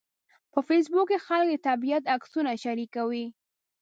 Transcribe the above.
په فېسبوک کې خلک د طبیعت عکسونه شریکوي